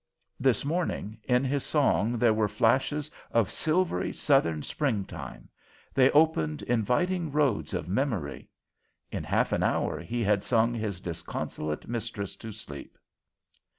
This morning, in his song there were flashes of silvery Southern springtime; they opened inviting roads of memory. In half an hour he had sung his disconsolate mistress to sleep.